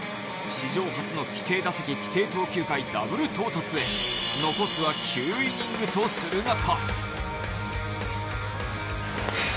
史上初の規定打席規定投球回タブル到達へ残すは９イニングとする中。